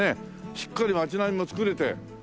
しっかり町並みも作れて。